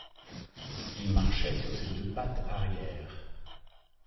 Il marchait sur ses deux pattes arrière.